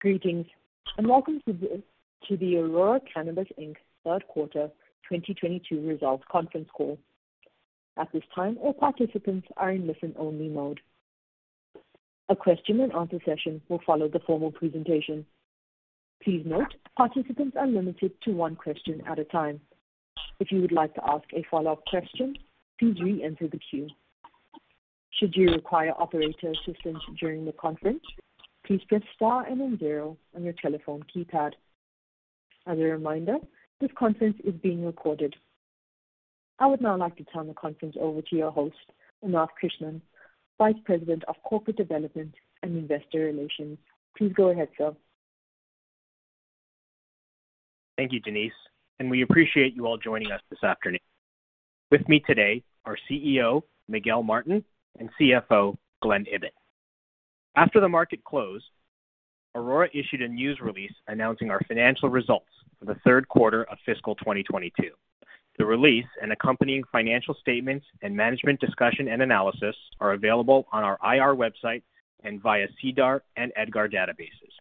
Greetings, welcome to the Aurora Cannabis Inc. Q3 2022 results conference call. At this time, all participants are in listen-only mode. A question-and-answer session will follow the formal presentation. Please note, participants are limited to one question at a time. If you would like to ask a follow-up question, please re-enter the queue. Should you require operator assistance during the conference, please press star and then zero on your telephone keypad. As a reminder, this conference is being recorded. I would now like to turn the conference over to your host, Ananth Krishnan, Vice President of Corporate Development and Investor Relations. Please go ahead, sir. Thank you, Denise, and we appreciate you all joining us this afternoon. With me today are CEO Miguel Martin and CFO Glen Ibbott. After the market closed, Aurora issued a news release announcing our financial results for the Q3 of fiscal 2022. The release and accompanying financial statements and management discussion and analysis are available on our IR website and via SEDAR and EDGAR databases.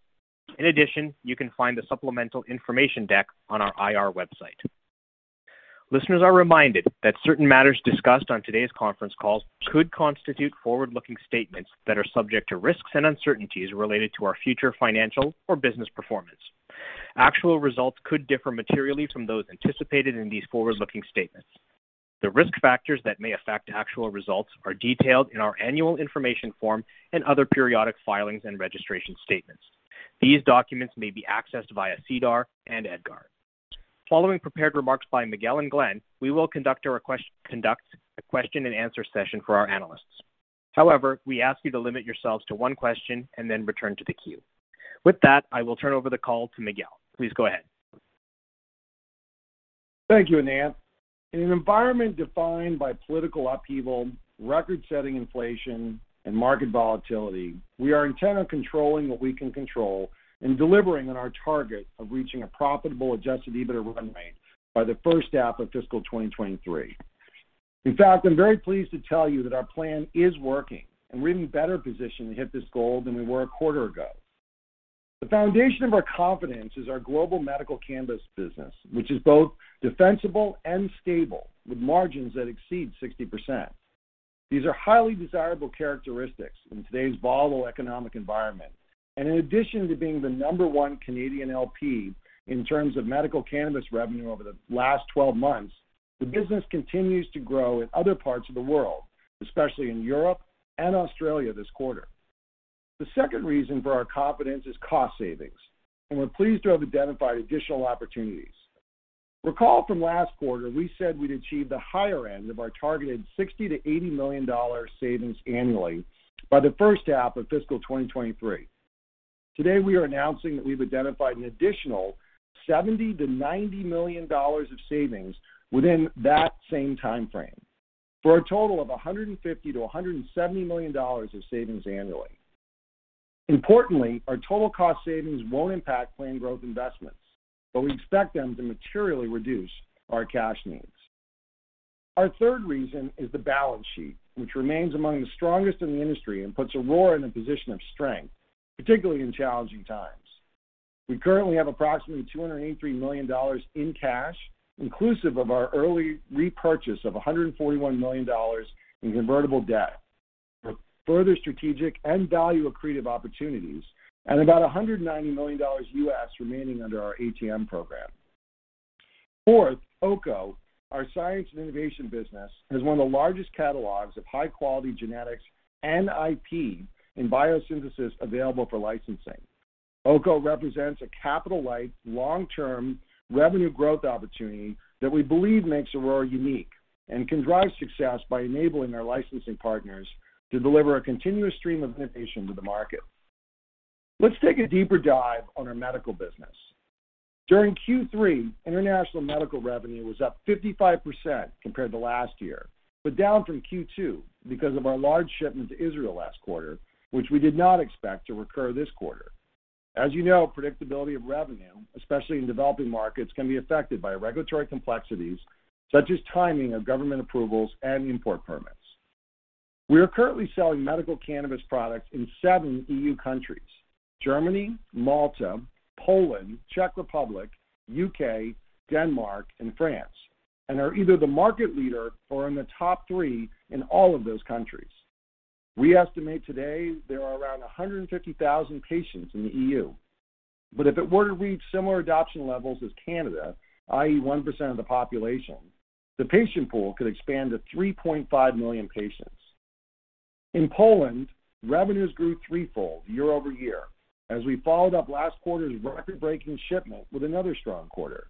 In addition, you can find the supplemental information deck on our IR website. Listeners are reminded that certain matters discussed on today's conference call could constitute forward-looking statements that are subject to risks and uncertainties related to our future financial or business performance. Actual results could differ materially from those anticipated in these forward-looking statements. The risk factors that may affect actual results are detailed in our annual information form and other periodic filings and registration statements. These documents may be accessed via SEDAR and EDGAR. Following prepared remarks by Miguel and Glen, we will conduct a question-and-answer session for our analysts. However, we ask you to limit yourselves to one question and then return to the queue. With that, I will turn over the call to Miguel. Please go ahead. Thank you, Ananth. In an environment defined by political upheaval, record-setting inflation, and market volatility, we are intent on controlling what we can control and delivering on our target of reaching a profitable adjusted EBITDA run rate by the H1 of fiscal 2023. In fact, I'm very pleased to tell you that our plan is working, and we're in better position to hit this goal than we were a quarter ago. The foundation of our confidence is our global medical cannabis business, which is both defensible and stable, with margins that exceed 60%. These are highly desirable characteristics in today's volatile economic environment. In addition to being the number one Canadian LP in terms of medical cannabis revenue over the last 12 months, the business continues to grow in other parts of the world, especially in Europe and Australia this quarter. The second reason for our confidence is cost savings, and we're pleased to have identified additional opportunities. Recall from last quarter, we said we'd achieve the higher end of our targeted 60-80 million dollar savings annually by the H1 of fiscal 2023. Today, we are announcing that we've identified an additional 70 -90 million dollars of savings within that same timeframe, for a total of 150 -170 million dollars of savings annually. Importantly, our total cost savings won't impact planned growth investments, but we expect them to materially reduce our cash needs. Our third reason is the balance sheet, which remains among the strongest in the industry and puts Aurora in a position of strength, particularly in challenging times. We currently have approximately 283 million dollars in cash, inclusive of our early repurchase of 141 million dollars in convertible debt for further strategic and value-accretive opportunities, and about $190 million remaining under our ATM program. Fourth, Anandia, our science and innovation business, has one of the largest catalogs of high-quality genetics and IP in biosynthesis available for licensing. Anandia represents a capital-light, long-term revenue growth opportunity that we believe makes Aurora unique and can drive success by enabling our licensing partners to deliver a continuous stream of innovation to the market. Let's take a deeper dive on our medical business. During Q3, international medical revenue was up 55% compared to last year, but down from Q2 because of our large shipment to Israel last quarter, which we did not expect to recur this quarter. As you know, predictability of revenue, especially in developing markets, can be affected by regulatory complexities such as timing of government approvals and import permits. We are currently selling medical cannabis products in seven EU countries, Germany, Malta, Poland, Czech Republic, U.K., Denmark, and France, and are either the market leader or in the top three in all of those countries. We estimate today there are around 150,000 patients in the EU. If it were to reach similar adoption levels as Canada, i.e., 1% of the population, the patient pool could expand to 3.5 million patients. In Poland, revenues grew threefold year-over-year as we followed up last quarter's record-breaking shipment with another strong quarter.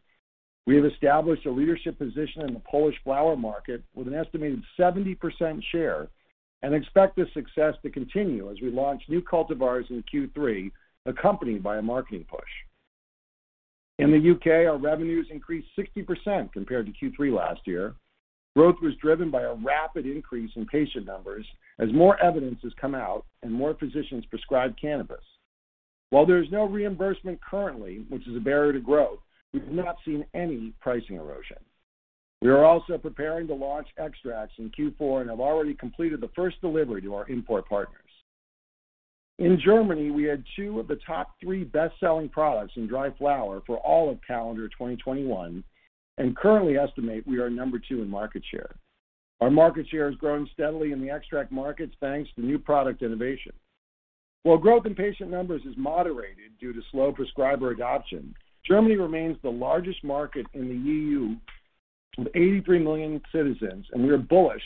We have established a leadership position in the Polish flower market with an estimated 70% share and expect this success to continue as we launch new cultivars in Q3, accompanied by a marketing push. In the UK, our revenues increased 60% compared to Q3 last year. Growth was driven by a rapid increase in patient numbers as more evidence has come out and more physicians prescribe cannabis. While there is no reimbursement currently, which is a barrier to growth, we've not seen any pricing erosion. We are also preparing to launch extracts in Q4 and have already completed the first delivery to our import partners. In Germany, we had two of the top three best-selling products in dry flower for all of calendar 2021, and currently estimate we are No. 2 in market share. Our market share has grown steadily in the extract markets, thanks to new product innovation. While growth in patient numbers is moderated due to slow prescriber adoption, Germany remains the largest market in the EU with 83 million citizens, and we are bullish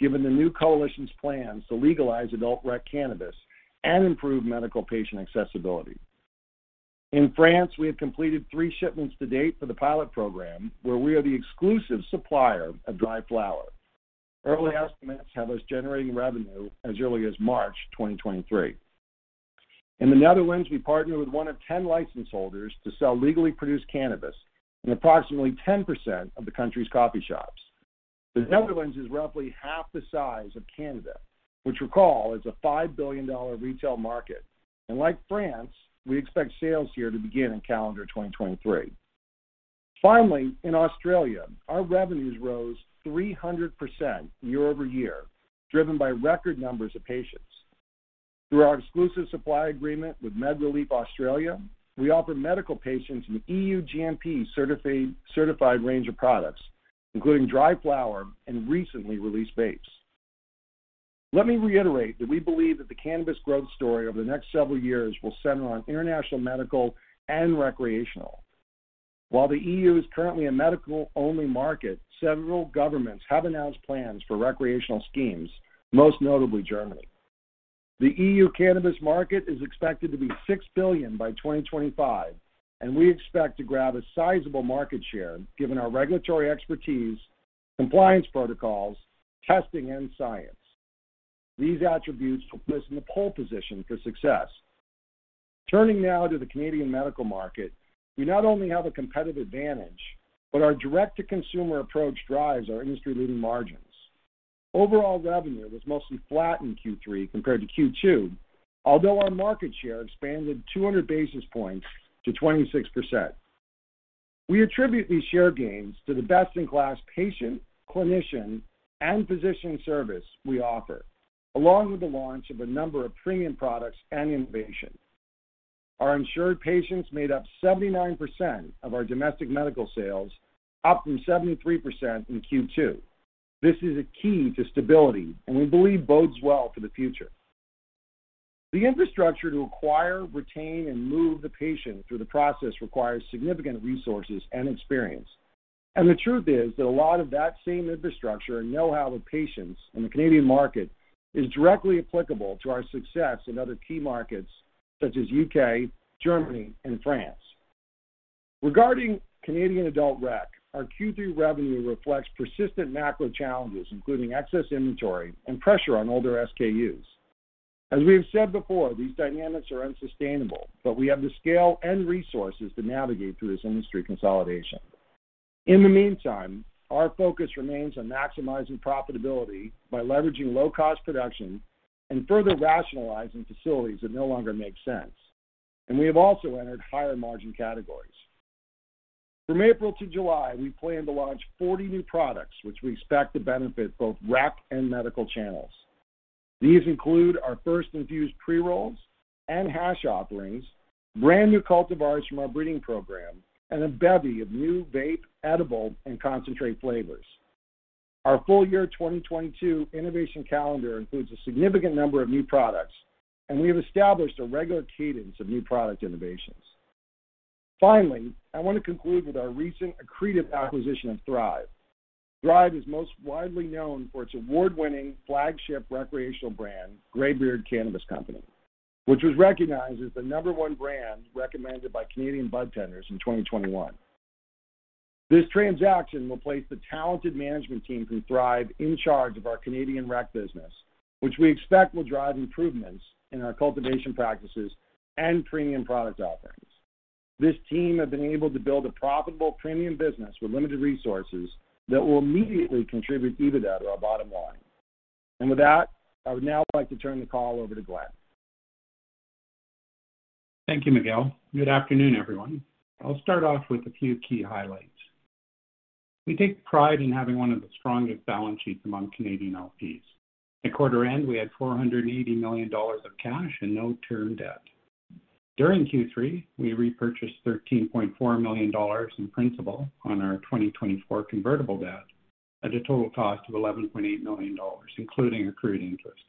given the new coalition's plans to legalize adult rec cannabis and improve medical patient accessibility. In France, we have completed three shipments to date for the pilot program, where we are the exclusive supplier of dry flower. Early estimates have us generating revenue as early as March 2023. In the Netherlands, we partner with one of 10 license holders to sell legally produced cannabis in approximately 10% of the country's coffee shops. The Netherlands is roughly half the size of Canada, which recall is a 5 billion dollar retail market, and like France, we expect sales here to begin in calendar 2023. Finally, in Australia, our revenues rose 300% year-over-year, driven by record numbers of patients. Through our exclusive supply agreement with MedReleaf Australia, we offer medical patients an EU GMP certified range of products, including dry flower and recently released vapes. Let me reiterate that we believe that the cannabis growth story over the next several years will center on international medical and recreational. While the EU is currently a medical-only market, several governments have announced plans for recreational schemes, most notably Germany. The EU cannabis market is expected to be 6 billion by 2025, and we expect to grab a sizable market share given our regulatory expertise, compliance protocols, testing, and science. These attributes will put us in the pole position for success. Turning now to the Canadian medical market, we not only have a competitive advantage, but our direct-to-consumer approach drives our industry-leading margins. Overall revenue was mostly flat in Q3 compared to Q2, although our market share expanded 200 basis points to 26%. We attribute these share gains to the best-in-class patient, clinician, and physician service we offer, along with the launch of a number of premium products and innovation. Our insured patients made up 79% of our domestic medical sales, up from 73% in Q2. This is a key to stability, and we believe bodes well for the future. The infrastructure to acquire, retain, and move the patient through the process requires significant resources and experience. The truth is that a lot of that same infrastructure and know-how with patients in the Canadian market is directly applicable to our success in other key markets such as UK, Germany and France. Regarding Canadian adult rec, our Q3 revenue reflects persistent macro challenges, including excess inventory and pressure on older SKUs. As we have said before, these dynamics are unsustainable, but we have the scale and resources to navigate through this industry consolidation. In the meantime, our focus remains on maximizing profitability by leveraging low-cost production and further rationalizing facilities that no longer make sense. We have also entered higher-margin categories. From April to July, we plan to launch 40 new products which we expect to benefit both rec and medical channels. These include our first infused pre-rolls and hash offerings, brand new cultivars from our breeding program, and a bevy of new vape, edible, and concentrate flavors. Our full year 2022 innovation calendar includes a significant number of new products, and we have established a regular cadence of new product innovations. Finally, I want to conclude with our recent accretive acquisition of Thrive. Thrive is most widely known for its award-winning flagship recreational brand, Greybeard Cannabis Co., which was recognized as the number one brand recommended by Canadian budtenders in 2021. This transaction will place the talented management team from Thrive in charge of our Canadian rec business, which we expect will drive improvements in our cultivation practices and premium product offerings. This team have been able to build a profitable premium business with limited resources that will immediately contribute EBITDA to our bottom line. With that, I would now like to turn the call over to Glen. Thank you, Miguel. Good afternoon, everyone. I'll start off with a few key highlights. We take pride in having one of the strongest balance sheets among Canadian LPs. At quarter end, we had 480 million dollars of cash and no term debt. During Q3, we repurchased 13.4 million dollars in principal on our 2024 convertible debt at a total cost of 11.8 million dollars, including accrued interest.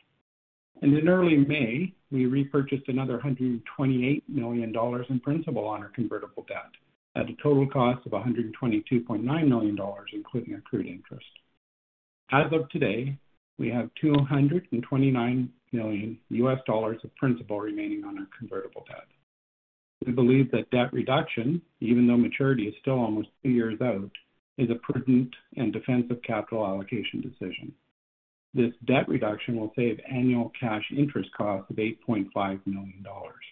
In early May, we repurchased another 128 million dollars in principal on our convertible debt at a total cost of 122.9 million dollars, including accrued interest. As of today, we have $229 million of principal remaining on our convertible debt. We believe that debt reduction, even though maturity is still almost two years out, is a prudent and defensive capital allocation decision. This debt reduction will save annual cash interest costs of 8.5 million dollars.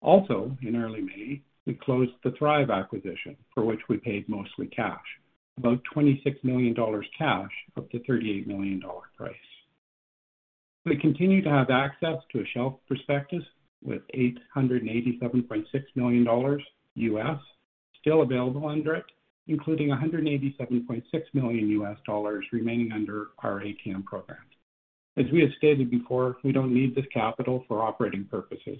Also, in early May, we closed the Thrive acquisition, for which we paid mostly cash, about 26 million dollars cash of the 38 million dollar price. We continue to have access to a shelf prospectus with $887.6 million US still available under it, including $187.6 million US remaining under our ATM program. As we have stated before, we don't need this capital for operating purposes,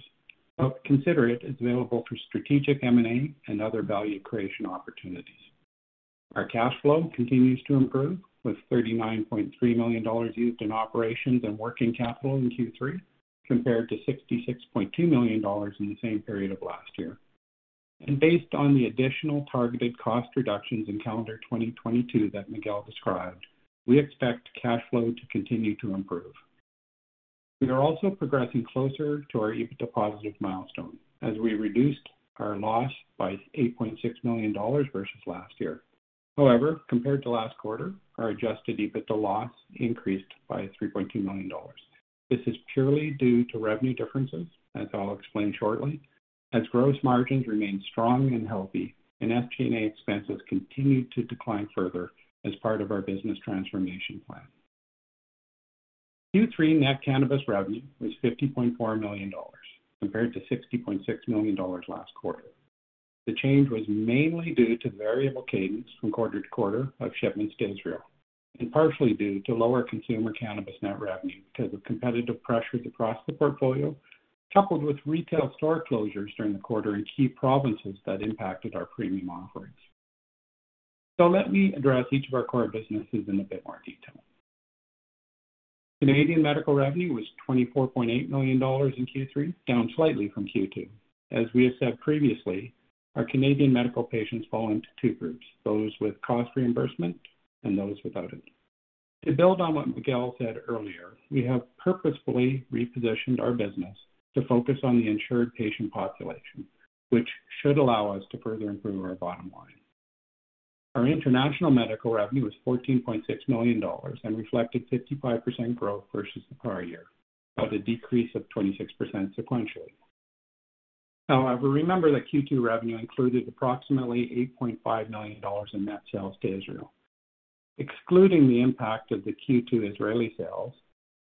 but consider it as available for strategic M&A and other value creation opportunities. Our cash flow continues to improve, with 39.3 million dollars used in operations and working capital in Q3 compared to 66.2 million dollars in the same period of last year. Based on the additional targeted cost reductions in calendar 2022 that Miguel described, we expect cash flow to continue to improve. We are also progressing closer to our EBITDA positive milestone as we reduced our loss by 8.6 million dollars versus last year. However, compared to last quarter, our adjusted EBITDA loss increased by 3.2 million dollars. This is purely due to revenue differences, as I'll explain shortly, as gross margins remain strong and healthy and SG&A expenses continue to decline further as part of our business transformation plan. Q3 net cannabis revenue was 50.4 million dollars compared to 60.6 million dollars last quarter. The change was mainly due to variable cadence from quarter to quarter of shipments to Israel, and partially due to lower consumer cannabis net revenue because of competitive pressures across the portfolio, coupled with retail store closures during the quarter in key provinces that impacted our premium offerings. Let me address each of our core businesses in a bit more detail. Canadian medical revenue was 24.8 million dollars in Q3, down slightly from Q2. As we have said previously, our Canadian medical patients fall into two groups, those with cost reimbursement and those without it. To build on what Miguel said earlier, we have purposefully repositioned our business to focus on the insured patient population, which should allow us to further improve our bottom line. Our international medical revenue was 14.6 million dollars and reflected 55% growth versus the prior year, but a decrease of 26% sequentially. However, remember that Q2 revenue included approximately 8.5 million dollars in net sales to Israel. Excluding the impact of the Q2 Israeli sales,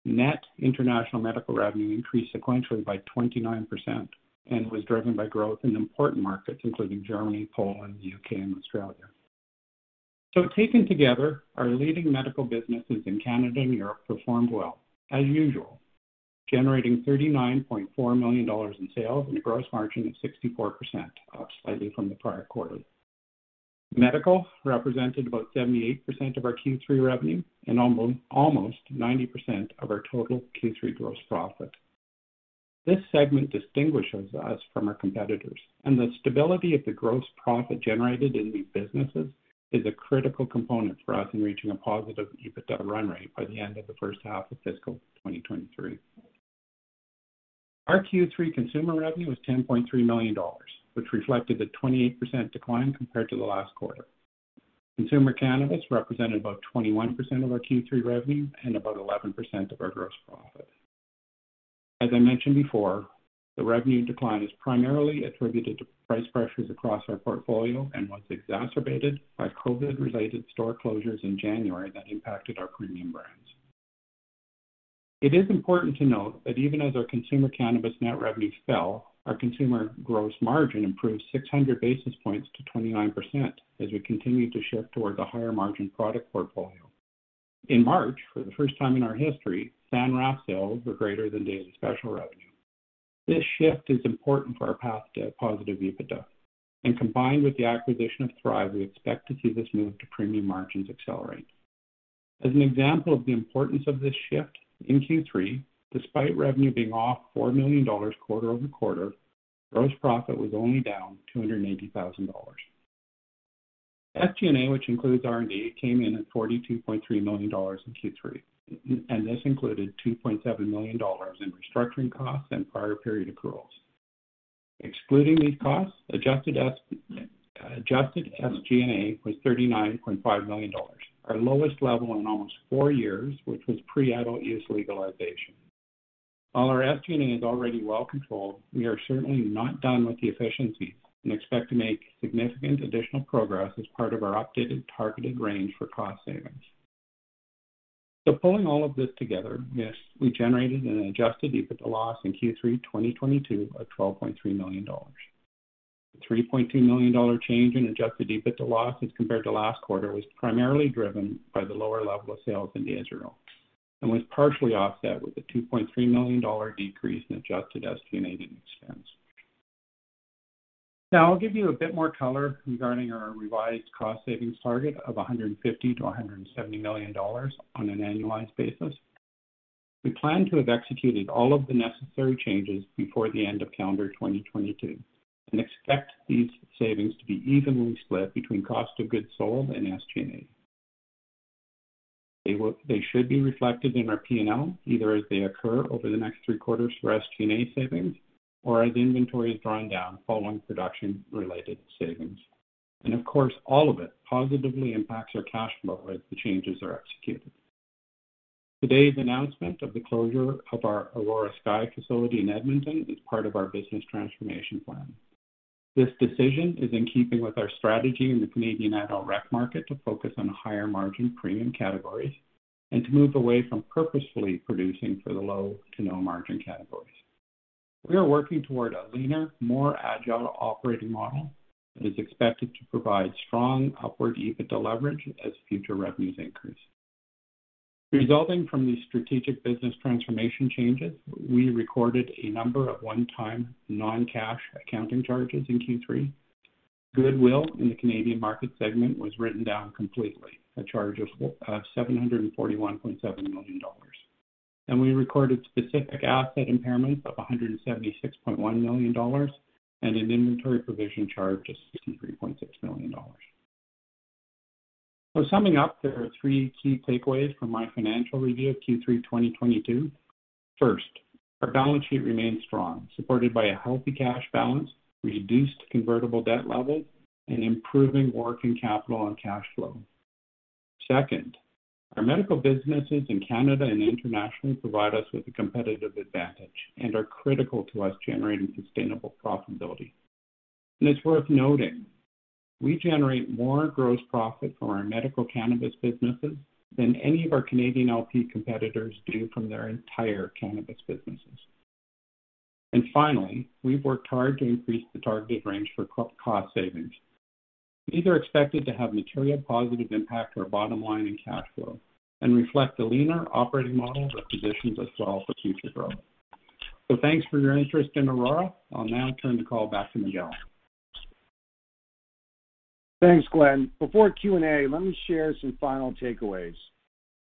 net international medical revenue increased sequentially by 29% and was driven by growth in important markets including Germany, Poland, U.K., and Australia. Taken together, our leading medical businesses in Canada and Europe performed well, as usual, generating 39.4 million dollars in sales and a gross margin of 64%, up slightly from the prior quarter. Medical represented about 78% of our Q3 revenue and almost 90% of our total Q3 gross profit. This segment distinguishes us from our competitors, and the stability of the gross profit generated in these businesses is a critical component for us in reaching a positive EBITDA run rate by the end of the H1 of fiscal 2023. Our Q3 consumer revenue was 10.3 million dollars, which reflected a 28% decline compared to the last quarter. Consumer cannabis represented about 21% of our Q3 revenue and about 11% of our gross profit. As I mentioned before, the revenue decline is primarily attributed to price pressures across our portfolio and was exacerbated by COVID-related store closures in January that impacted our premium brands. It is important to note that even as our consumer cannabis net revenue fell, our consumer gross margin improved 600 basis points to 29% as we continue to shift towards a higher margin product portfolio. In March, for the first time in our history, San Rafael '71 sales were greater than Daily Special revenue. This shift is important for our path to positive EBITDA, and combined with the acquisition of Thrive, we expect to see this move to premium margins accelerate. As an example of the importance of this shift, in Q3, despite revenue being off 4 million dollars quarter-over-quarter, gross profit was only down 280 thousand dollars. SG&A, which includes R&D, came in at 42.3 million dollars in Q3, and this included 2.7 million dollars in restructuring costs and prior period accruals. Excluding these costs, adjusted SG&A was 39.5 million dollars, our lowest level in almost four years, which was pre-adult use legalization. While our SG&A is already well controlled, we are certainly not done with the efficiencies and expect to make significant additional progress as part of our updated targeted range for cost savings. Pulling all of this together, yes, we generated an adjusted EBITDA loss in Q3 2022 of CAD 12.3 million. The 3.2 million dollar change in adjusted EBITDA loss as compared to last quarter was primarily driven by the lower level of sales into Israel and was partially offset with a 2.3 million dollar decrease in adjusted SG&A expense. Now I'll give you a bit more color regarding our revised cost savings target of 150-170 million dollars on an annualized basis. We plan to have executed all of the necessary changes before the end of calendar 2022 and expect these savings to be evenly split between cost of goods sold and SG&A. They should be reflected in our P&L either as they occur over the next three quarters for SG&A savings or as inventory is drawn down following production-related savings. Of course, all of it positively impacts our cash flow as the changes are executed. Today's announcement of the closure of our Aurora Sky facility in Edmonton is part of our business transformation plan. This decision is in keeping with our strategy in the Canadian adult rec market to focus on higher margin premium categories and to move away from purposefully producing for the low to no margin categories. We are working toward a leaner, more agile operating model that is expected to provide strong upward EBITDA leverage as future revenues increase. Resulting from these strategic business transformation changes, we recorded a number of one-time non-cash accounting charges in Q3. Goodwill in the Canadian market segment was written down completely, a charge of $741.7 million. We recorded specific asset impairments of a $176.1 million And an inventory provision charge of $63.6 million. Summing up, there are three key takeaways from my financial review of Q3 2022. First, our balance sheet remains strong, supported by a healthy cash balance, reduced convertible debt levels, and improving working capital and cash flow. Second, our medical businesses in Canada and internationally provide us with a competitive advantage and are critical to us generating sustainable profitability. It's worth noting, we generate more gross profit from our medical cannabis businesses than any of our Canadian LP competitors do from their entire cannabis businesses. Finally, we've worked hard to increase the target range for cost savings. These are expected to have material positive impact to our bottom line and cash flow, and reflect the leaner operating model that positions us well for future growth. Thanks for your interest in Aurora. I'll now turn the call back to Miguel. Thanks, Glen. Before Q&A, let me share some final takeaways.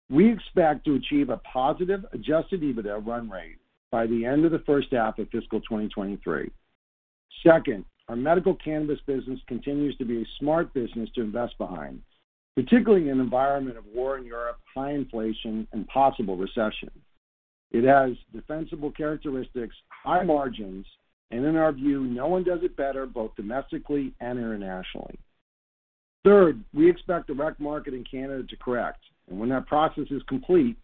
We expect to achieve a positive adjusted EBITDA run rate by the end of the H1 of fiscal 2023. Second, our medical cannabis business continues to be a smart business to invest behind, particularly in an environment of war in Europe, high inflation, and possible recession. It has defensible characteristics, high margins, and in our view, no one does it better, both domestically and internationally. Third, we expect the rec market in Canada to correct, and when that process is complete,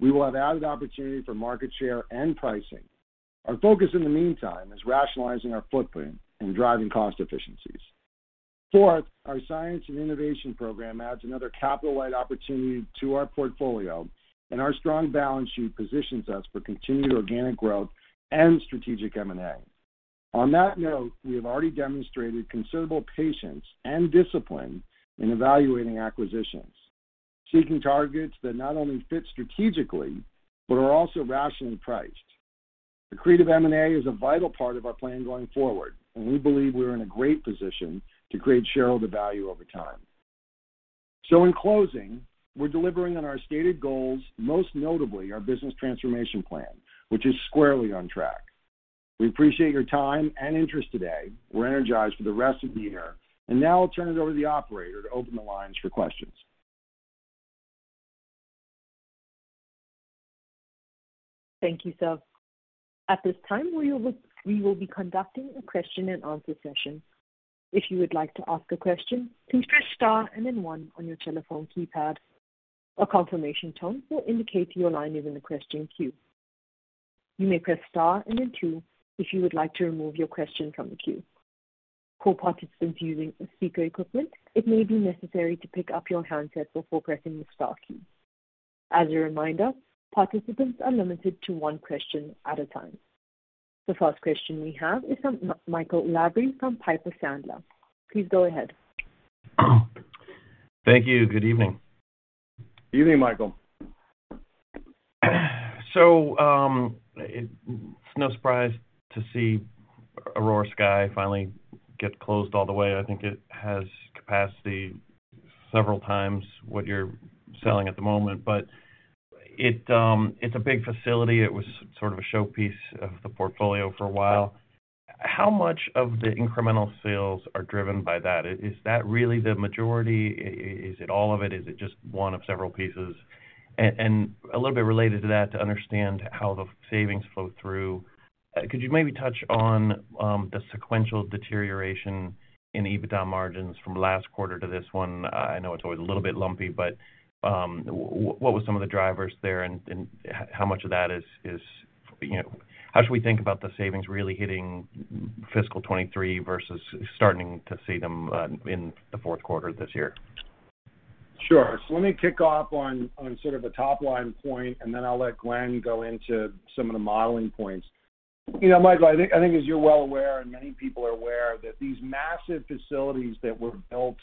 we will have added opportunity for market share and pricing. Our focus in the meantime is rationalizing our footprint and driving cost efficiencies. Fourth, our science and innovation program adds another capital-light opportunity to our portfolio, and our strong balance sheet positions us for continued organic growth and strategic M&A. On that note, we have already demonstrated considerable patience and discipline in evaluating acquisitions, seeking targets that not only fit strategically, but are also rationally priced. Accretive M&A is a vital part of our plan going forward, and we believe we're in a great position to create shareholder value over time. In closing, we're delivering on our stated goals, most notably our business transformation plan, which is squarely on track. We appreciate your time and interest today. We're energized for the rest of the year, and now I'll turn it over to the operator to open the lines for questions. Thank you, sir. At this time, we will be conducting a question-and-answer session. If you would like to ask a question, please press star and then one on your telephone keypad. A confirmation tone will indicate your line is in the question queue. You may press star and then two if you would like to remove your question from the queue. For participants using speaker equipment, it may be necessary to pick up your handset before pressing the star key. As a reminder, participants are limited to one question at a time. The first question we have is from Michael Lavery from Piper Sandler. Please go ahead. Thank you. Good evening. Evening, Michael. It's no surprise to see Aurora Sky finally get closed all the way. I think it has capacity several times what you're selling at the moment. It's a big facility. It was sort of a showpiece of the portfolio for a while. How much of the incremental sales are driven by that? Is that really the majority? Is it all of it? Is it just one of several pieces? And a little bit related to that, to understand how the savings flow through, could you maybe touch on the sequential deterioration in EBITDA margins from last quarter to this one? I know it's always a little bit lumpy, but what were some of the drivers there and how much of that is, you know. How should we think about the savings really hitting fiscal 2023 versus starting to see them in the Q4 this year? Sure. Let me kick off on sort of a top-line point, and then I'll let Glen go into some of the modeling points. You know, Michael, I think as you're well aware, and many people are aware, that these massive facilities that were built,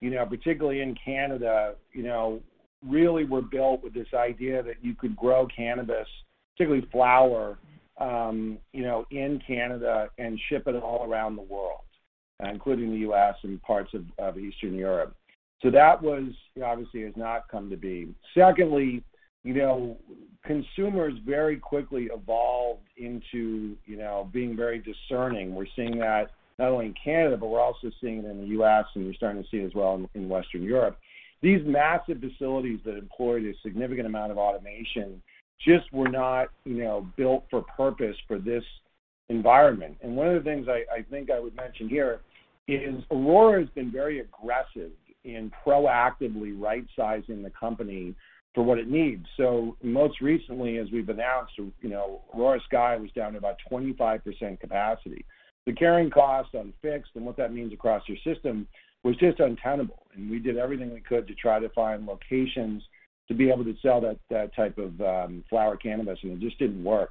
you know, particularly in Canada, you know, really were built with this idea that you could grow cannabis, particularly flower, you know, in Canada and ship it all around the world, including the U.S. and parts of Eastern Europe. That was, you know, obviously has not come to be. Secondly, you know, consumers very quickly evolved into, you know, being very discerning. We're seeing that not only in Canada, but we're also seeing it in the U.S., and we're starting to see it as well in Western Europe. These massive facilities that employed a significant amount of automation just were not, you know, built for purpose for this environment. One of the things I think I would mention here is Aurora has been very aggressive in proactively rightsizing the company for what it needs. Most recently, as we've announced, you know, Aurora Sky was down to about 25% capacity. The carrying costs on fixed and what that means across your system was just untenable. We did everything we could to try to find locations to be able to sell that type of flower cannabis, and it just didn't work.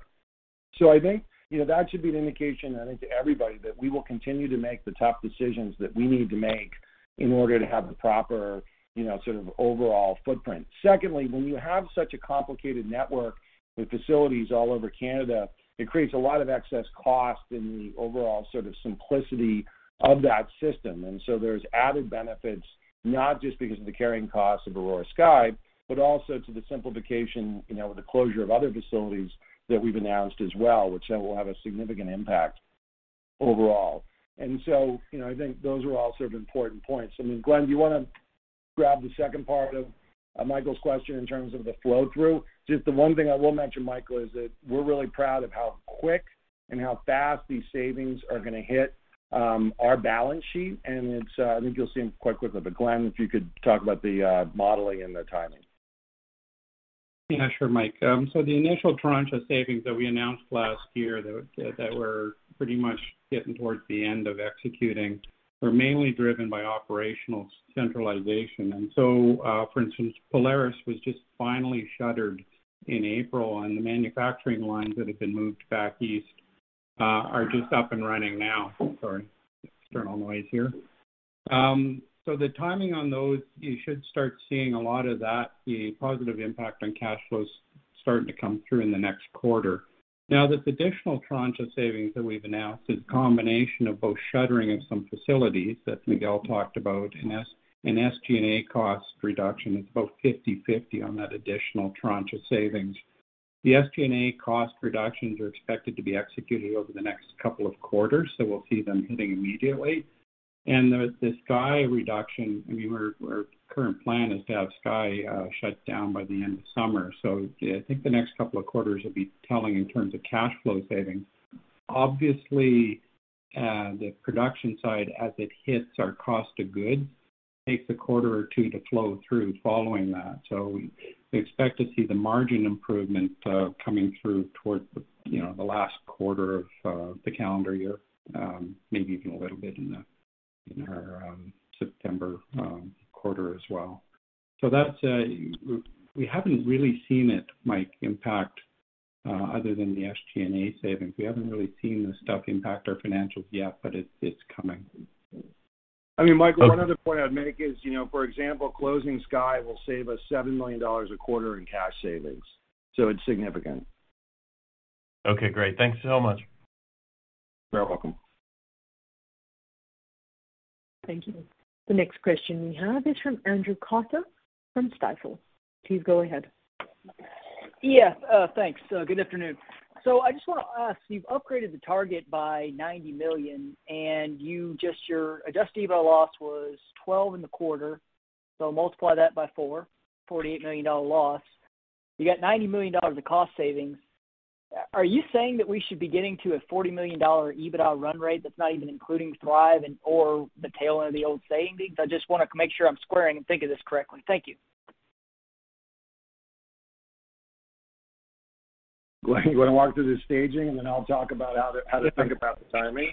I think, you know, that should be an indication, I think, to everybody that we will continue to make the tough decisions that we need to make in order to have the proper, you know, sort of overall footprint. Secondly, when you have such a complicated network with facilities all over Canada, it creates a lot of excess cost in the overall sort of simplicity of that system. There's added benefits, not just because of the carrying cost of Aurora Sky, but also to the simplification, you know, with the closure of other facilities that we've announced as well, which then will have a significant impact overall. You know, I think those are all sort of important points. I mean, Glen, do you want to grab the second part of Michael's question in terms of the flow-through? Just the one thing I will mention, Michael, is that we're really proud of how quick and how fast these savings are going to hit our balance sheet, and it's. I think you'll see them quite quickly. Glen, if you could talk about the modeling and the timing. Yeah, sure, Mike. The initial tranche of savings that we announced last year that we're pretty much getting towards the end of executing were mainly driven by operational centralization. For instance, Polaris was just finally shuttered in April, and the manufacturing lines that have been moved back east are just up and running now. Sorry, external noise here. The timing on those, you should start seeing a lot of that, the positive impact on cash flows starting to come through in the next quarter. Now, this additional tranche of savings that we've announced is a combination of both shuttering of some facilities that Miguel talked about and SG&A cost reduction. It's about 50/50 on that additional tranche of savings. The SG&A cost reductions are expected to be executed over the next couple of quarters, so we'll see them hitting immediately. The SKU reduction, I mean, our current plan is to have SKU shut down by the end of summer. I think the next couple of quarters will be telling in terms of cash flow savings. Obviously, the production side, as it hits our cost of goods, takes a quarter or two to flow through following that. We expect to see the margin improvement coming through towards the you know the last quarter of the calendar year, maybe even a little bit in our September quarter as well. That's. We haven't really seen it, Mike, impact other than the SG&A savings. We haven't really seen the stuff impact our financials yet, but it's coming. I mean, Michael, one other point I'd make is, you know, for example, closing Sky will save us 7 million dollars a quarter in cash savings. It's significant. Okay, great. Thanks so much. You're welcome. Thank you. The next question we have is from Andrew Carter from Stifel. Please go ahead. Yeah, thanks. Good afternoon. I just wanna ask, you've upgraded the target by 90 million. Your adjusted EBITDA loss was 12 million in the quarter. Multiply that by 4, 48 million dollar loss. You got 90 million dollars of cost savings. Are you saying that we should be getting to a 40 million dollar EBITDA run rate that's not even including Thrive and or the tail end of the old savings? I just wanna make sure I'm squaring and thinking this correctly. Thank you. Glen, you wanna walk through the staging, and then I'll talk about how to think about the timing?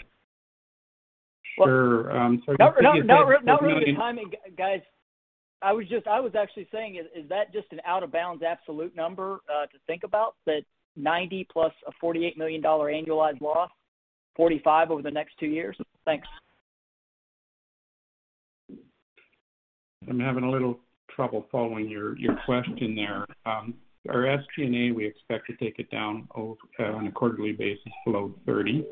Sure. I think. No, no timing, guys. I was actually saying, is that just an out of bounds absolute number to think about? That 90 plus a 48 million dollar annualized loss, 45 over the next 2 years? Thanks. I'm having a little trouble following your question there. Our SG&A, we expect to take it down on a quarterly basis below 30%.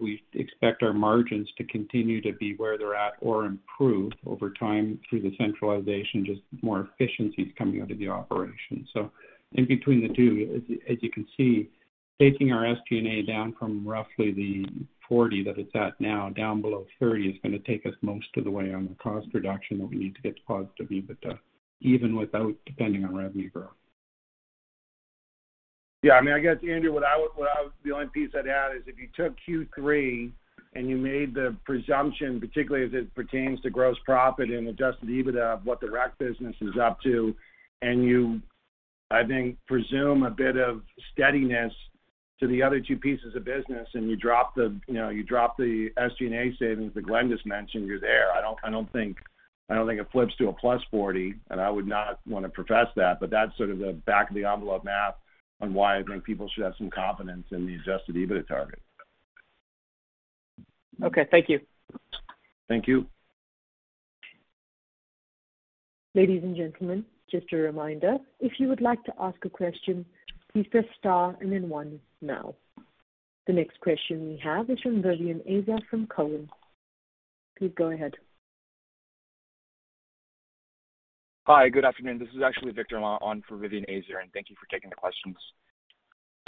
We expect our margins to continue to be where they're at or improve over time through the centralization, just more efficiencies coming out of the operation. In between the two, as you can see, taking our SG&A down from roughly the 40% that it's at now down below 30% is gonna take us most of the way on the cost reduction that we need to get to positive EBITDA, even without depending on revenue growth. Yeah. I mean, Andrew, what I would. The only piece I'd add is if you took Q3 and you made the presumption, particularly as it pertains to gross profit and adjusted EBITDA, what the rec business is up to, and you, I think, presume a bit of steadiness to the other two pieces of business, and you drop the, you know, SG&A savings that Glen just mentioned, you're there. I don't think it flips to a +40, and I would not want to profess that, but that's sort of the back of the envelope math on why I think people should have some confidence in the adjusted EBITDA target. Okay. Thank you. Thank you. Ladies and gentlemen, just a reminder, if you would like to ask a question, please press star and then one now. The next question we have is from Vivien Azer from Cowen. Please go ahead. Hi, good afternoon. This is actually Victor Ma on for Vivien Azer, and thank you for taking the questions.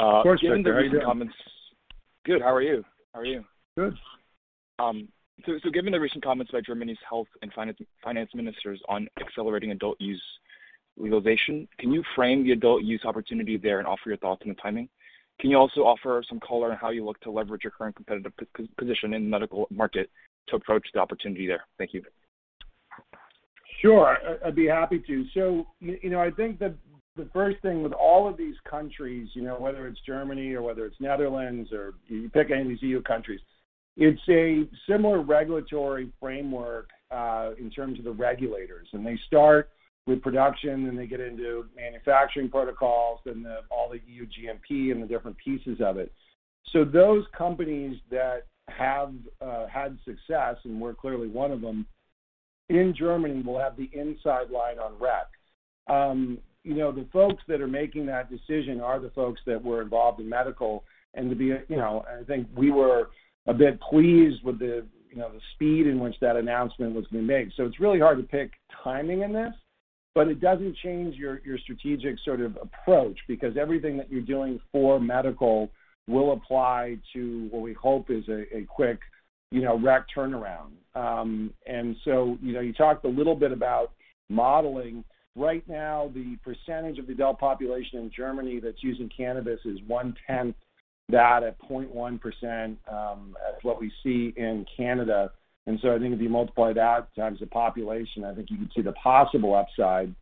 Of course, Victor. How are you? Good. How are you? How are you? Good. Given the recent comments by Germany's health and finance ministers on accelerating adult use Legalization, can you frame the adult use opportunity there and offer your thoughts on the timing? Can you also offer some color on how you look to leverage your current competitive position in the medical market to approach the opportunity there? Thank you. Sure. I'd be happy to. You know, I think that the first thing with all of these countries, you know, whether it's Germany or whether it's the Netherlands, or you pick any of these EU countries, it's a similar regulatory framework in terms of the regulators. They start with production, then they get into manufacturing protocols, then all the EU GMP and the different pieces of it. Those companies that have had success, and we're clearly one of them, in Germany will have the inside line on rec. You know, the folks that are making that decision are the folks that were involved in medical. To be, you know, I think we were a bit pleased with the, you know, the speed in which that announcement was being made. It's really hard to pick timing in this, but it doesn't change your strategic sort of approach because everything that you're doing for medical will apply to what we hope is a quick, you know, rec turnaround. You know, you talked a little bit about modeling. Right now, the percentage of the adult population in Germany that's using cannabis is one-tenth that at 0.1% as what we see in Canada. I think if you multiply that times the population, I think you can see the possible upside.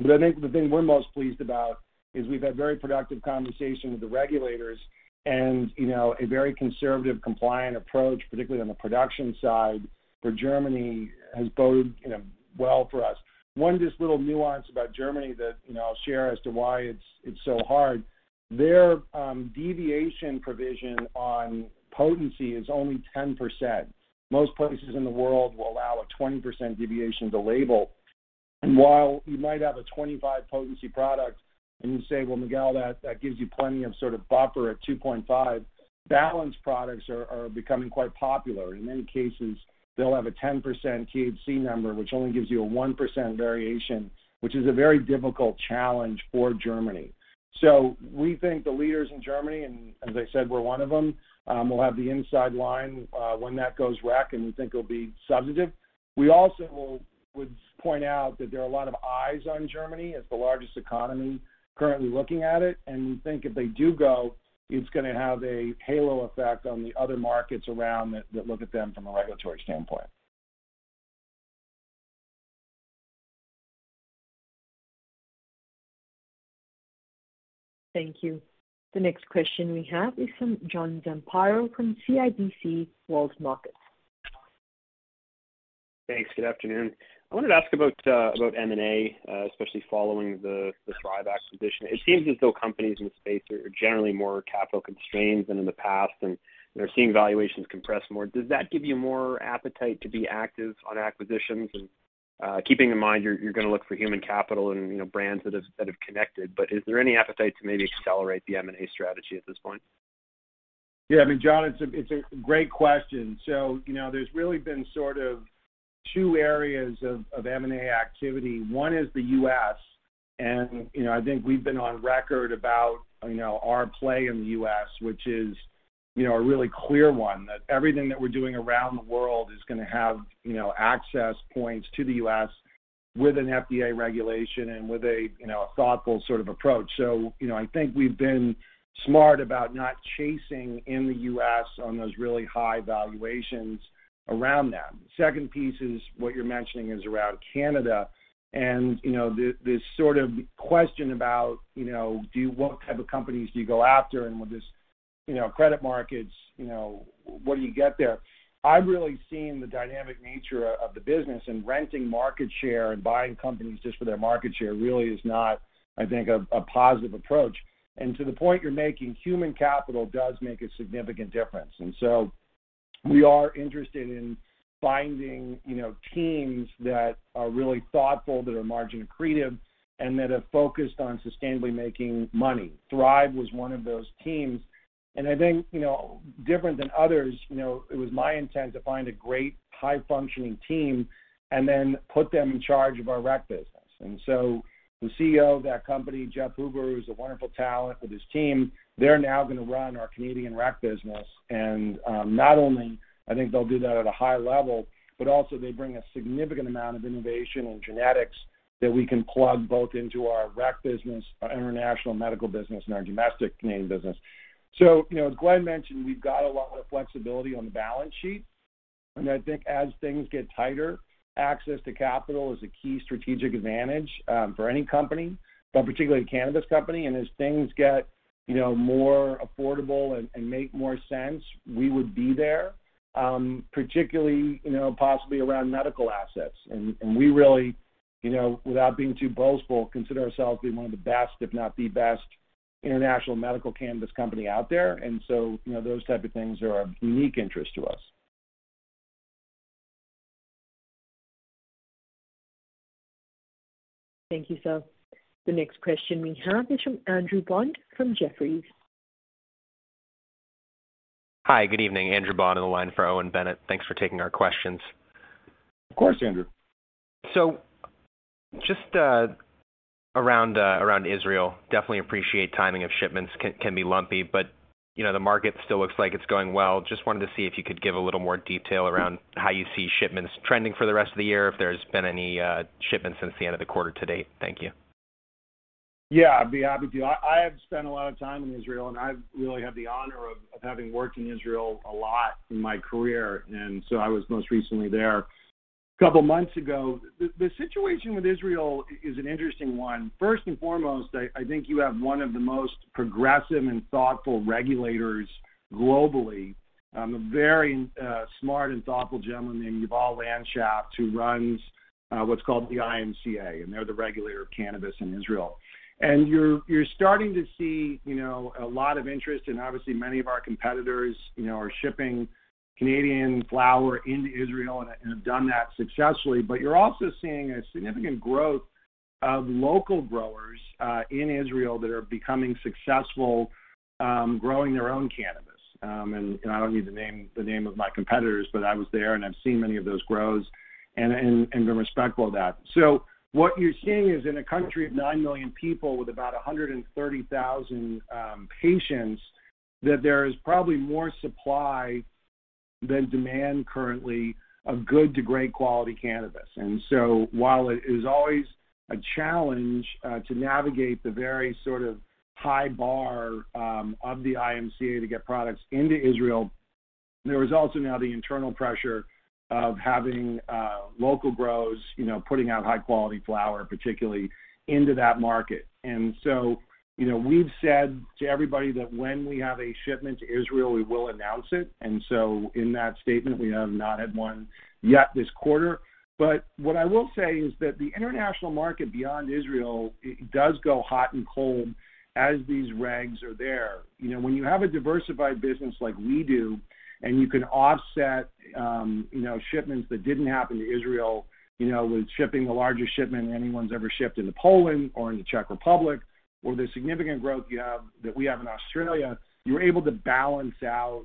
But I think the thing we're most pleased about is we've had very productive conversation with the regulators and, you know, a very conservative, compliant approach, particularly on the production side, where Germany has boded, you know, well for us. One of these little nuance about Germany that, you know, I'll share as to why it's so hard, their deviation provision on potency is only 10%. Most places in the world will allow a 20% deviation to label. While you might have a 25 potency product, and you say, "Well, Miguel, that gives you plenty of sort of buffer at 2.5," balanced products are becoming quite popular. In many cases, they'll have a 10% THC number, which only gives you a 1% variation, which is a very difficult challenge for Germany. We think the leaders in Germany, and as I said, we're one of them, will have the inside line when that goes rec, and we think it'll be substantive. We also would point out that there are a lot of eyes on Germany as the largest economy currently looking at it. We think if they do go, it's gonna have a halo effect on the other markets around that look at them from a regulatory standpoint. Thank you. The next question we have is from John Zamparo from CIBC World Markets. Thanks. Good afternoon. I wanted to ask about M&A, especially following the Thrive acquisition. It seems as though companies in the space are generally more capital constrained than in the past, and they're seeing valuations compress more. Does that give you more appetite to be active on acquisitions? Keeping in mind you're going to look for human capital and, you know, brands that have connected, but is there any appetite to maybe accelerate the M&A strategy at this point? Yeah. I mean, John, it's a great question. You know, there's really been sort of two areas of M&A activity. One is the U.S., and, you know, I think we've been on record about, you know, our play in the U.S., which is, you know, a really clear one, that everything that we're doing around the world is going to have, you know, access points to the U.S. with an FDA regulation and with a, you know, a thoughtful sort of approach. You know, I think we've been smart about not chasing in the U.S. on those really high valuations around them. The second piece is what you're mentioning is around Canada and, you know, the sort of question about, you know, what type of companies do you go after and with this, you know, credit markets, you know, what do you get there? I've really seen the dynamic nature of the business and gaining market share and buying companies just for their market share really is not, I think, a positive approach. To the point you're making, human capital does make a significant difference. We are interested in finding, you know, teams that are really thoughtful, that are margin accretive, and that are focused on sustainably making money. Thrive was one of those teams, and I think, you know, different than others, you know, it was my intent to find a great high functioning team and then put them in charge of our rec business. The CEO of that company, Geoff Hoover, who's a wonderful talent with his team, they're now going to run our Canadian rec business. Not only I think they'll do that at a high level, but also, they bring a significant amount of innovation and genetics that we can plug both into our rec business, our international medical business and our domestic Canadian business. You know, as Glen mentioned, we've got a lot of flexibility on the balance sheet, and I think as things get tighter, access to capital is a key strategic advantage, for any company, but particularly cannabis company. As things get, you know, more affordable and make more sense, we would be there, particularly, you know, possibly around medical assets. We really, you know, without being too boastful, consider ourselves to be one of the best, if not the best, international medical cannabis company out there. You know, those type of things are of unique interest to us. Thank you, sir. The next question we have is from Andrew Bond from Jefferies. Hi, good evening. Andrew Bond on the line for Owen Bennett. Thanks for taking our questions. Of course, Andrew. Just around Israel, definitely appreciate timing of shipments can be lumpy but. You know, the market still looks like it's going well. Just wanted to see if you could give a little more detail around how you see shipments trending for the rest of the year, if there's been any shipments since the end of the quarter to date. Thank you. Yeah. I'd be happy to. I have spent a lot of time in Israel, and I really have the honor of having worked in Israel a lot in my career. I was most recently there a couple months ago. The situation with Israel is an interesting one. First and foremost, I think you have one of the most progressive and thoughtful regulators globally, a very smart and thoughtful gentleman named Yuval Landschaft, who runs what's called the IMCA, and they're the regulator of cannabis in Israel. You're starting to see, you know, a lot of interest, and obviously many of our competitors, you know, are shipping Canadian flower into Israel and have done that successfully. You're also seeing a significant growth of local growers in Israel that are becoming successful, growing their own cannabis. I don't need to name the name of my competitors, but I was there, and I've seen many of those grows and been respectful of that. What you're seeing is in a country of 9 million people with about 130,000 patients, that there is probably more supply than demand currently of good to great quality cannabis. While it is always a challenge to navigate the very sort of high bar of the IMCA to get products into Israel, there is also now the internal pressure of having local grows, you know, putting out high quality flower, particularly into that market. You know, we've said to everybody that when we have a shipment to Israel, we will announce it. In that statement, we have not had one yet this quarter. What I will say is that the international market beyond Israel, it does go hot and cold as these regs are there. You know, when you have a diversified business like we do, and you can offset, you know, shipments that didn't happen to Israel, you know, with shipping the largest shipment anyone's ever shipped into Poland or in the Czech Republic or the significant growth you have, that we have in Australia, you're able to balance out,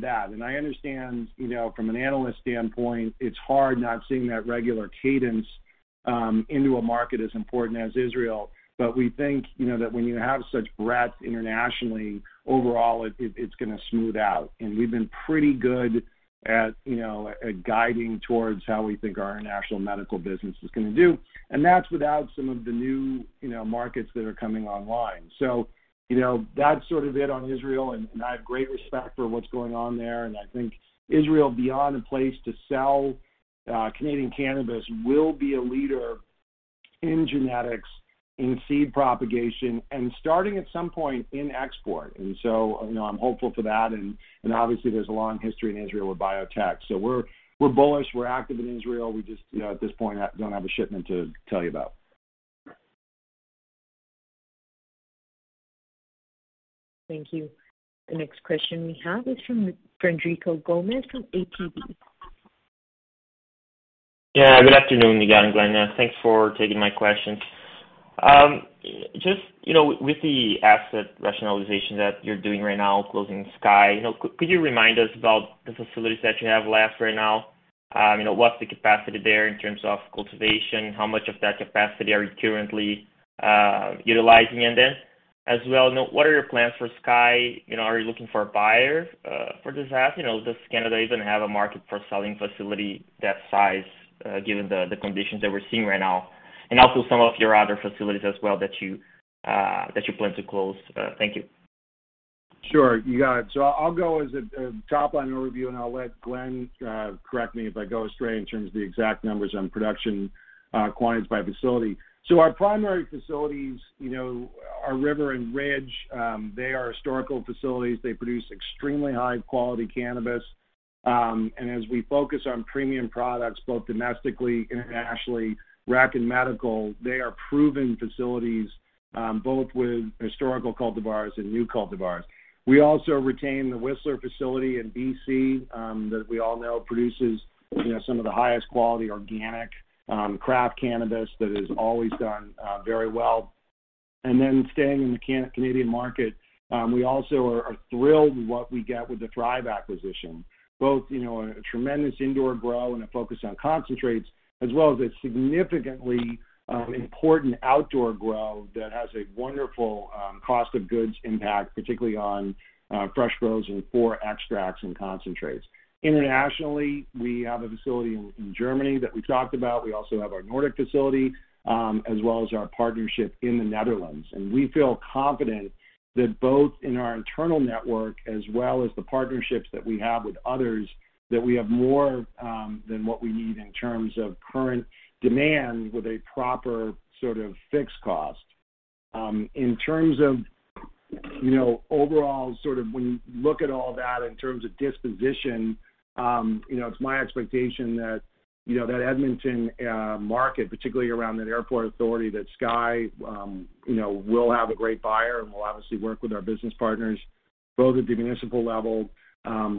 that. I understand, you know, from an analyst standpoint, it's hard not seeing that regular cadence, into a market as important as Israel. We think, you know, that when you have such breadth internationally, overall it's gonna smooth out. We've been pretty good at, you know, at guiding towards how we think our international medical business is gonna do. That's without some of the new, you know, markets that are coming online. You know, that's sort of it on Israel and I have great respect for what's going on there. I think Israel, beyond a place to sell, Canadian cannabis, will be a leader in genetics, in seed propagation, and starting at some point in export. You know, I'm hopeful for that. Obviously there's a long history in Israel with biotech. We're bullish, we're active in Israel. We just, you know, at this point don't have a shipment to tell you about. Thank you. The next question we have is from Frederico Gomes from ATB Capital Markets. Yeah. Good afternoon again, Glen. Thanks for taking my question. Just, you know, with the asset rationalization that you're doing right now, closing Sky, you know, could you remind us about the facilities that you have left right now? You know, what's the capacity there in terms of cultivation? How much of that capacity are you currently utilizing in this? As well, you know, what are your plans for Sky? You know, are you looking for a buyer for this asset? You know, does Canada even have a market for selling facility that size given the conditions that we're seeing right now? Also, some of your other facilities as well that you plan to close. Thank you. Sure. You got it. I'll go as a top line overview, and I'll let Glen correct me if I go astray in terms of the exact numbers on production quantities by facility. Our primary facilities, you know, are River and Ridge. They are historical facilities. They produce extremely high quality cannabis. As we focus on premium products both domestically, internationally, rec and medical, they are proven facilities, both with historical cultivars and new cultivars. We also retain the Whistler facility in BC, that we all know produces, you know, some of the highest quality organic craft cannabis that has always done very well. Staying in the Canadian market, we also are thrilled with what we get with the Thrive acquisition, both, you know, a tremendous indoor grow and a focus on concentrates, as well as a significantly important outdoor grow that has a wonderful cost of goods impact, particularly on fresh grows and for extracts and concentrates. Internationally, we have a facility in Germany that we talked about. We also have our Nordic facility, as well as our partnership in the Netherlands. We feel confident that both in our internal network as well as the partnerships that we have with others, that we have more than what we need in terms of current demand with a proper sort of fixed cost. In terms of, you know, overall, sort of when you look at all that in terms of disposition, you know, it's my expectation that, you know, that Edmonton market, particularly around that airport authority, that Sky, you know, will have a great buyer and we'll obviously work with our business partners both at the municipal level,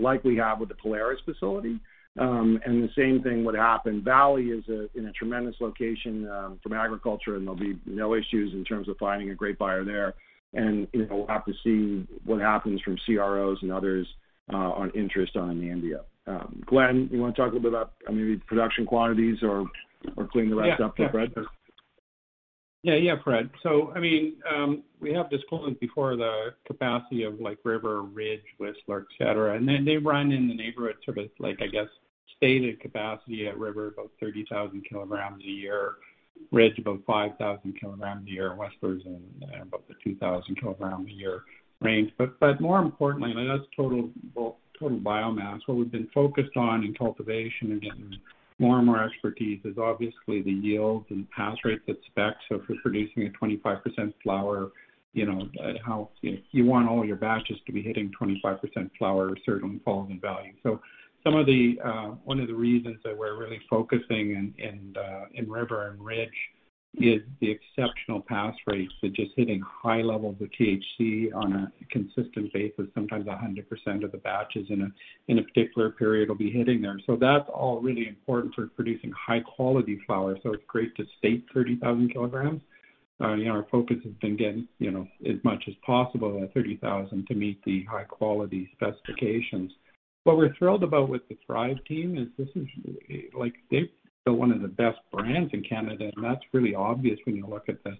like we have with the Polaris facility. The same thing would happen. Valley is in a tremendous location from agriculture, and there'll be no issues in terms of finding a great buyer there. You know, we'll have to see what happens from CROs and others on interest in Anandia. Glen, you wanna talk a bit about maybe production quantities or clean the rest up. Yeah. Yeah Yeah. Yeah, Fred. I mean, we have disclosed before the capacity of, like, River, Ridge, Whistler, etc. Then they run in the neighborhood, sort of like, I guess, stated capacity at River, about 30,000 kilograms a year. Ridge, about 5,000 kilograms a year. Whistler is in about the 2,000 kilograms a year range. More importantly, that's total, well, total biomass. What we've been focused on in cultivation and getting more and more expertise is obviously the yield and pass rates at specs. If we're producing a 25% flower, you know, you want all your batches to be hitting 25% flower, or it certainly falls in value. One of the reasons that we're really focusing in River and Ridge is the exceptional pass rates. Just hitting high levels of THC on a consistent basis, sometimes 100% of the batches in a particular period will be hitting there. That's all really important for producing high quality flowers. It's great to state 30,000 kilograms. You know, our focus has been getting, you know, as much as possible at 30,000 to meet the high-quality specifications. What we're thrilled about with the Thrive team is this is, like, they're one of the best brands in Canada, and that's really obvious when you look at the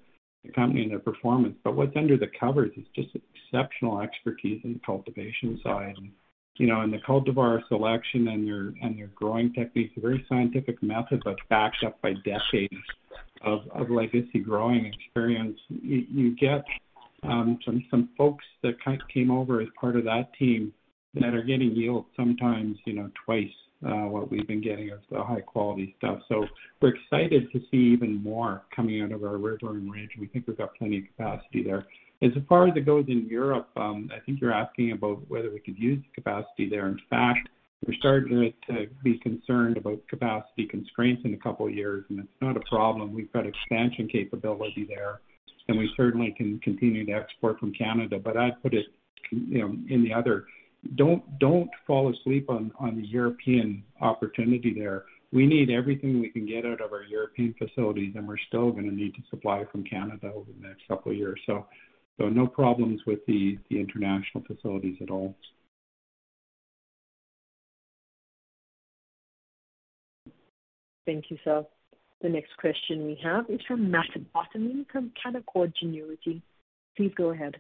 company and their performance. What's under the covers is just exceptional expertise in the cultivation side. You know, the cultivar selection and your growing techniques, a very scientific method, but backed up by decades of legacy growing experience. You get some folks that kind of came over as part of that team that are getting yields sometimes, you know, twice what we've been getting of the high-quality stuff. We're excited to see even more coming out of our River and Ridge. We think we've got plenty of capacity there. As far as it goes in Europe, I think you're asking about whether we could use the capacity there. In fact, we're starting to be concerned about capacity constraints in a couple of years, and it's not a problem. We've got expansion capability there, and we certainly can continue to export from Canada. I'd put it, you know, in the other. Don't fall asleep on the European opportunity there. We need everything we can get out of our European facilities, and we're still going to need to supply from Canada over the next couple of years. No problems with the international facilities at all. Thank you, sir. The next question we have is from Matt Bottomley from Canaccord Genuity. Please go ahead.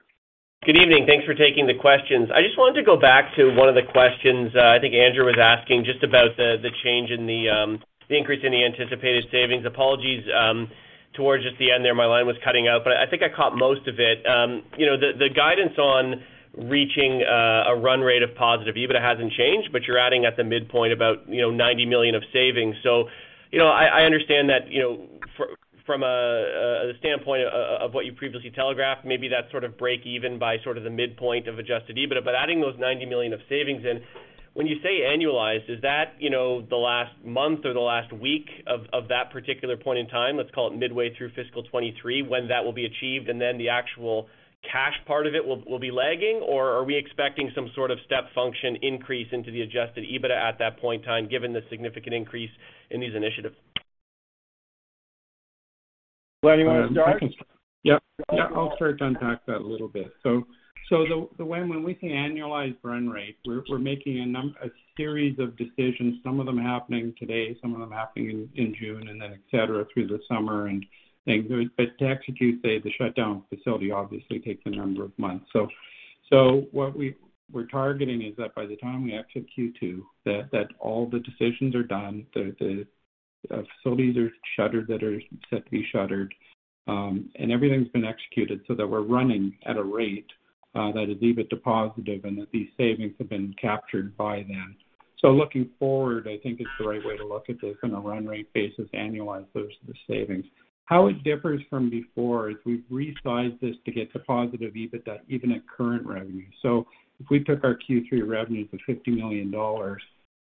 Good evening. Thanks for taking the questions. I just wanted to go back to one of the questions. I think Andrew was asking just about the change in the increase in the anticipated savings. Apologies, towards just the end there, my line was cutting out, but I think I caught most of it. You know, the guidance on reaching a run rate of positive EBITDA hasn't changed, but you're adding at the midpoint about, you know, 90 million of savings. You know, I understand that, you know, from a standpoint of what you previously telegraphed, maybe that's sort of breakeven by sort of the midpoint of adjusted EBITDA. Adding those 90 million of savings in, when you say annualized, is that, you know, the last month or the last week of that particular point in time, let's call it midway through fiscal 2023, when that will be achieved, and then the actual cash part of it will be lagging? Or are we expecting some sort of step function increase into the adjusted EBITDA at that point in time, given the significant increase in these initiatives? Glen, you want to start? Yeah, I'll start to unpack that a little bit. The way when we say annualized run rate, we're making a series of decisions, some of them happening today, some of them happening in June, and then et cetera, through the summer and things. To execute, say, the shutdown facility obviously takes a number of months. What we're targeting is that by the time we get to Q2, all the decisions are done, the facilities are shuttered that are set to be shuttered, and everything's been executed so that we're running at a rate that is EBITDA positive and that these savings have been captured by then. Looking forward, I think is the right way to look at this on a run rate basis, annualized, those are the savings. How it differs from before is we've resized this to get to positive EBITDA even at current revenue. If we took our Q3 revenue for 50 million dollars,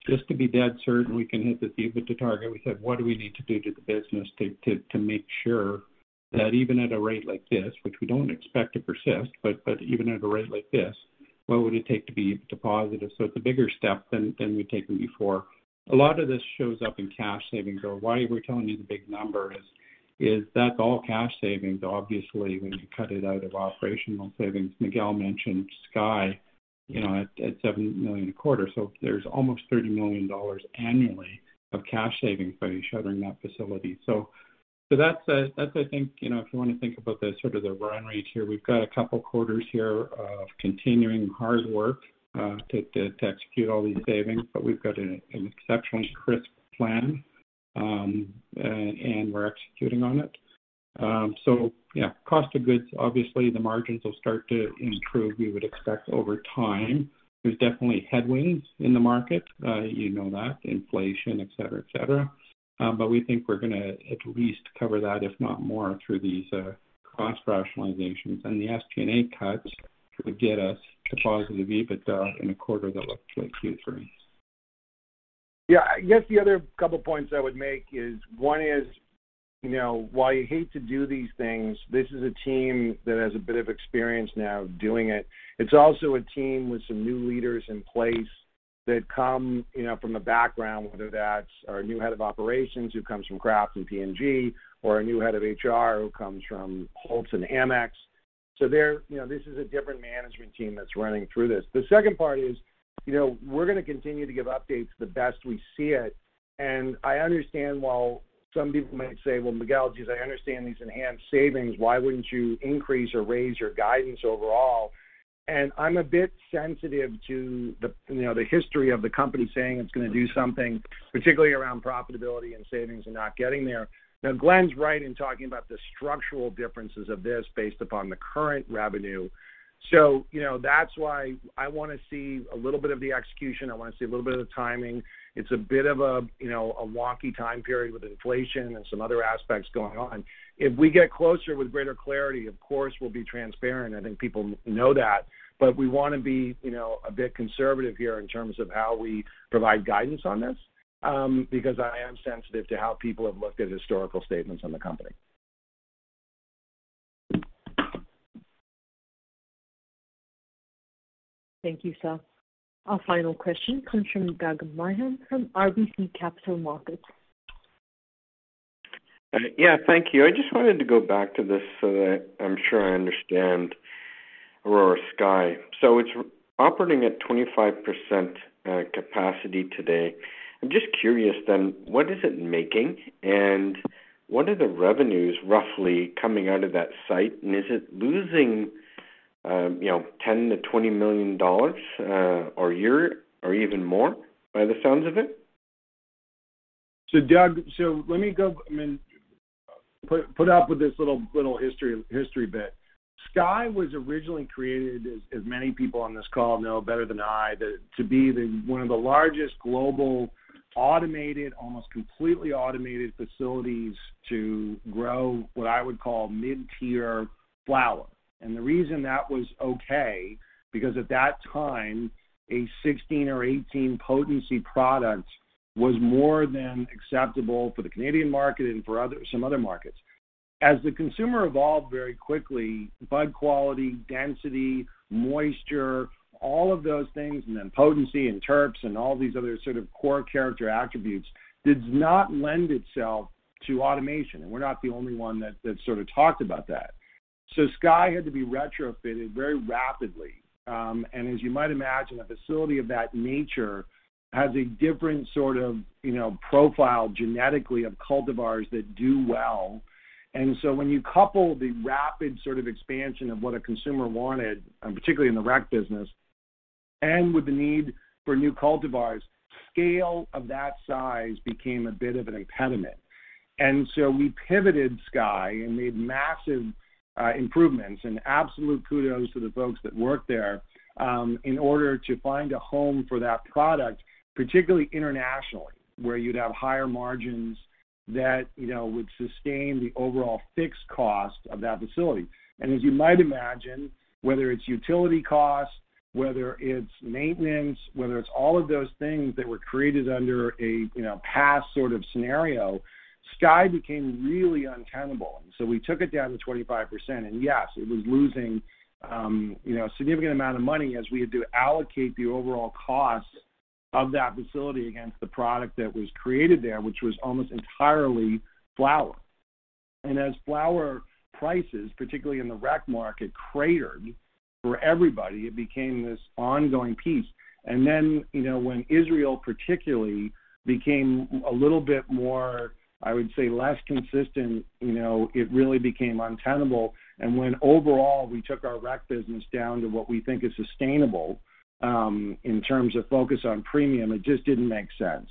just to be dead certain we can hit this EBITDA target, we said, "What do we need to do to the business to make sure that even at a rate like this, which we don't expect to persist, but even at a rate like this, what would it take to be EBITDA positive?" It's a bigger step than we've taken before. A lot of this shows up in cash savings. Why we're telling you the big number is that's all cash savings. Obviously, when you cut it out of operational savings, Miguel mentioned Sky, you know, at 7 million a quarter. There's almost 30 million dollars annually of cash savings by shuttering that facility. That's, I think, you know, if you want to think about the sort of run rate here, we've got a couple of quarters of continuing hard work to execute all these savings. But we've got an exceptionally crisp plan, and we're executing on it. Yeah, cost of goods, obviously the margins will start to improve, we would expect, over time. There's definitely headwinds in the market. You know that, inflation, et cetera, et cetera. But we think we're gonna at least cover that, if not more, through these cost rationalizations. The SG&A cuts would get us to positive EBITDA in a quarter that looks like Q3. Yeah. I guess the other couple points I would make is, one is, you know, while you hate to do these things, this is a team that has a bit of experience now doing it. It's also a team with some new leaders in place that come, you know, from a background, whether that's our new head of operations, who comes from Kraft and P&G, or our new head of HR, who comes from Holt Renfrew and AmEx There, you know, this is a different management team that's running through this. The second part is, you know, we're gonna continue to give updates as best we see it. I understand why some people might say, "Well, Miguel, geez, I understand these enhanced savings, why wouldn't you increase or raise your guidance overall?" I'm a bit sensitive to the, you know, the history of the company saying it's gonna do something, particularly around profitability and savings and not getting there. Now, Glen's right in talking about the structural differences of this based upon the current revenue. You know, that's why I wanna see a little bit of the execution. I wanna see a little bit of the timing. It's a bit of a, you know, a wonky time period with inflation and some other aspects going on. If we get closer with greater clarity, of course, we'll be transparent. I think people know that. We wanna be, you know, a bit conservative here in terms of how we provide guidance on this, because I am sensitive to how people have looked at historical statements on the company. Thank you, sir. Our final question comes from Doug Miehm from RBC Capital Markets. Yeah, thank you. I just wanted to go back to this so that I'm sure I understand Aurora Sky. It's operating at 25% capacity today. I'm just curious then, what is it making? And what are the revenues roughly coming out of that site? And is it losing 10 million-20 million dollars a year or even more by the sounds of it? Doug, I mean, put up with this little history bit. Sky was originally created, as many people on this call know better than I, to be the one of the largest global automated, almost completely automated facilities to grow what I would call mid-tier flower. The reason that was okay, because at that time, a 16 or 18 potency product was more than acceptable for the Canadian market and for some other markets. As the consumer evolved very quickly, bud quality, density, moisture, all of those things, and then potency and terps and all these other sort of core character attributes, did not lend itself to automation. We're not the only one that sort of talked about that. Sky had to be retrofitted very rapidly. As you might imagine, a facility of that nature has a different sort of, you know, profile genetically of cultivars that do well. When you couple the rapid sort of expansion of what a consumer wanted, and particularly in the rec business, and with the need for new cultivars, scale of that size became a bit of an impediment. We pivoted Sky and made massive improvements, and absolute kudos to the folks that work there, in order to find a home for that product, particularly internationally, where you'd have higher margins that, you know, would sustain the overall fixed cost of that facility. As you might imagine, whether it's utility costs, whether it's maintenance, whether it's all of those things that were created under a, you know, past sort of scenario, Sky became really untenable. We took it down to 25%. Yes, it was losing, you know, a significant amount of money as we had to allocate the overall cost of that facility against the product that was created there, which was almost entirely flower. As flower prices, particularly in the rec market, cratered for everybody, it became this ongoing piece. You know, when Israel particularly became a little bit more, I would say, less consistent, you know, it really became untenable. When overall we took our rec business down to what we think is sustainable, in terms of focus on premium, it just didn't make sense.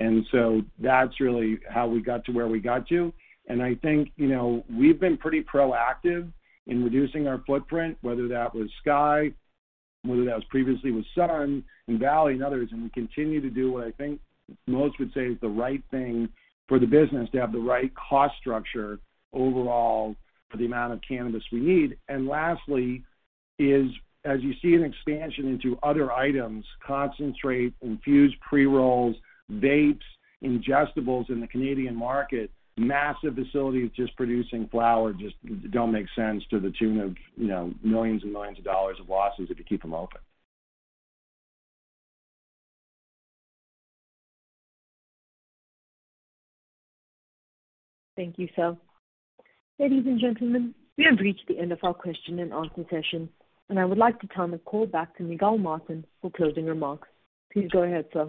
That's really how we got to where we got to. I think, you know, we've been pretty proactive in reducing our footprint, whether that was Sky, whether that was previously with Sun and Valley and others, and we continue to do what I think most would say is the right thing for the business to have the right cost structure overall for the amount of cannabis we need. Lastly is, as you see an expansion into other items, concentrate, infused pre-rolls, vapes, ingestibles in the Canadian market, massive facilities just producing flower just don't make sense to the tune of, you know, millions and millions of dollars of losses if you keep them open. Thank you, sir. Ladies and gentlemen, we have reached the end of our question-and-answer session, and I would like to turn the call back to Miguel Martin for closing remarks. Please go ahead, sir.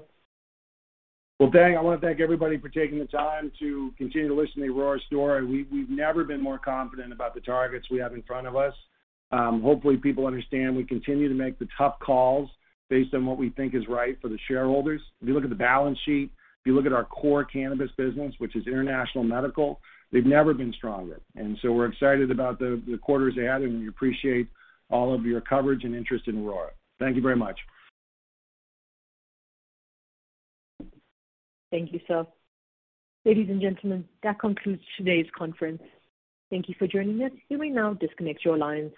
Well, Fang, I wanna thank everybody for taking the time to continue to listen to the Aurora story. We've never been more confident about the targets we have in front of us. Hopefully, people understand we continue to make the tough calls based on what we think is right for the shareholders. If you look at the balance sheet, if you look at our core cannabis business, which is international medical, they've never been stronger. We're excited about the quarters ahead, and we appreciate all of your coverage and interest in Aurora. Thank you very much. Thank you, sir. Ladies and gentlemen, that concludes today's conference. Thank you for joining us. You may now disconnect your lines.